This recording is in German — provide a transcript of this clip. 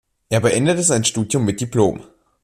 Er beendete sein Studium mit Diplom.